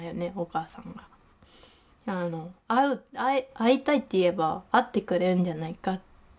会いたいって言えば会ってくれるんじゃないかって。